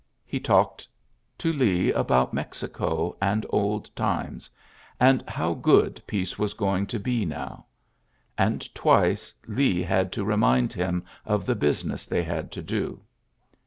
He talked to Lee about Meidco ad old times, and how good peace was joing to be now ; and twice Lee had to Bmind him of the busiaess they had to io.